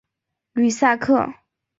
吕萨克。